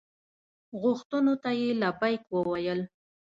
غوښتنو ته یې لبیک وویل.